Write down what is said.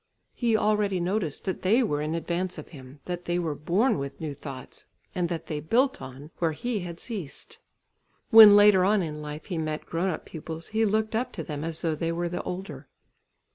He already noticed that they were in advance of him, that they were born with new thoughts, and that they built on, where he had ceased. When later on in life, he met grown up pupils, he looked up to them as though they were the older.